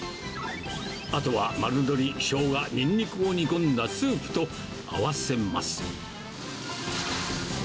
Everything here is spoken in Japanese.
あとは丸鶏、しょうが、にんにくを煮込んだスープと合わせます。